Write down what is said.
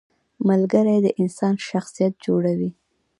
• ملګری د انسان شخصیت جوړوي.